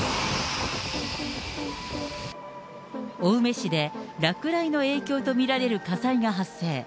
青梅市で落雷の影響と見られる火災が発生。